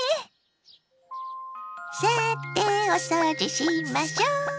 さてお掃除しましょ！